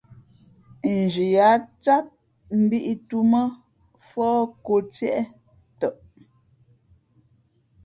Nzhi a cát , mbǐtūmά fōh kō tiê tαʼ.